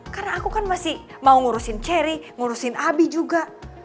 karena aku kan masih mau ngurusin cherry ngurusin abi juga